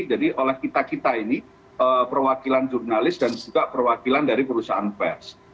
jadi oleh kita kita ini perwakilan jurnalis dan juga perwakilan dari perusahaan pers